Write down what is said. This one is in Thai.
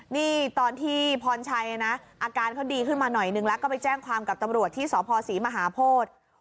นี่ตอนที่พรชัยนะอาการเขาดีขึ้นมาหน่อยนึงแล้วก็ไปแจ้งความกับตำรวจที่สพศรีมหาโพธิ